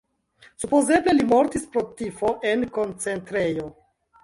Supozeble li mortis pro tifo en koncentrejo.